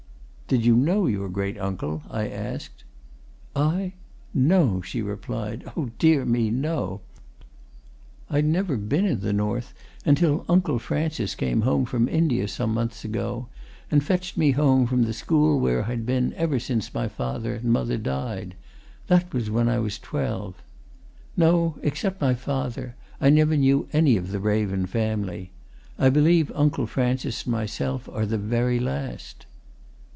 "Did you know your great uncle?" I asked. "I? No!" she replied. "Oh, dear me, no! I'd never been in the north until Uncle Francis came home from India some months ago and fetched me from the school where I'd been ever since my father and mother died that was when I was twelve. No, except my father, I never knew any of the Raven family. I believe Uncle Francis and myself are the very last."